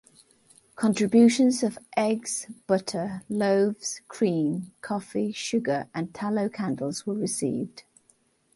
Contributions of eggs, butter, loaves, cream, coffee, sugar, and tallow-candles were received.